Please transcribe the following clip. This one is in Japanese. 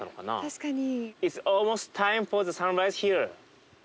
確かに。